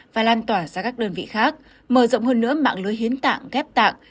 và lan tỏa ra các đơn vị khác mở rộng hơn nữa mạng lưới hiến tạng ghép tạng